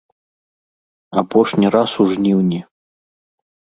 Апошні раз у жніўні.